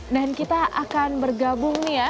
dan kita akan bergabung nih ya